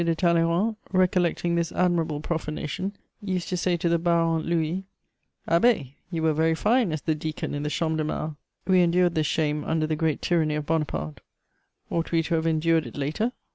de Talleyrand, recollecting this admirable profanation, used to say to the Baron Louis: "Abbé, you were very fine as the deacon in the Champ de Mars!" We endured this shame under the great tyranny of Bonaparte: ought we to have endured it later?